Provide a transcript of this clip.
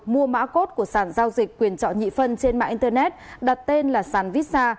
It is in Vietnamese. mua mã cốt của sản giao dịch quyền trọ nhị phân trên mạng internet đặt tên là sản visa